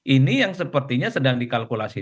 ini yang sepertinya sedang dikalkulasi